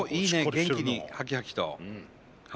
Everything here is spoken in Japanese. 元気にハキハキと。